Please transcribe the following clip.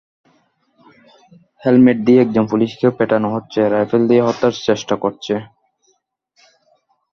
Helmet দিয়ে একজন পুলিশকে পেটানো হচ্ছে, রাইফেল দিয়ে হত্যার চেষ্টা করছে।